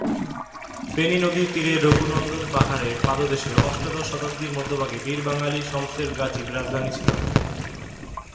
ফেনী নদীর তীরে রঘুনন্দন পাহাড়ের পাদদেশে অষ্টাদশ শতাব্দীর মধ্যভাগে বীর বাঙ্গালী শমসের গাজীর রাজধানী ছিল।